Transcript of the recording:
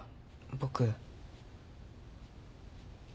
僕。